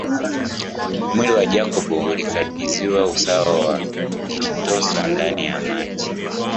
Mwili wa Jacob ulipokaribia usawa wake akajitosa ndani ya maji